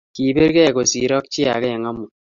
Kibirke kosir ak chi ake eng amut